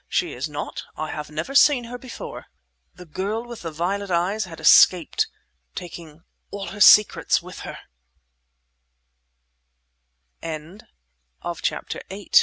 "She is not. I have never seen her before!" The girl with the violet eyes had escaped, taking all her secrets with her! CHAPTER IX SECO